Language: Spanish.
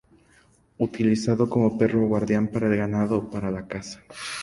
Utilizado como perro guardián para el ganado o para la caza.